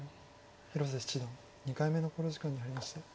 広瀬七段２回目の考慮時間に入りました。